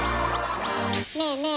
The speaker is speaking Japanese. ねえねえ